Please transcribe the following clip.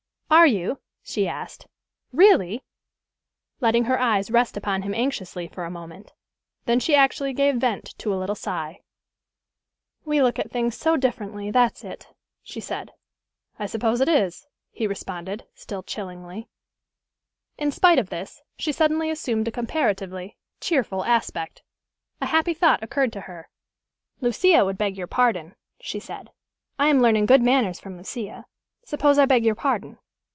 "Are you," she asked, "really?" letting her eyes rest upon him anxiously for a moment. Then she actually gave vent to a little sigh. "We look at things so differently, that's it," she said. "I suppose it is," he responded, still chillingly. In spite of this, she suddenly assumed a comparatively cheerful aspect. A happy thought occurred to her. "Lucia would beg your pardon," she said. "I am learning good manners from Lucia. Suppose I beg your pardon."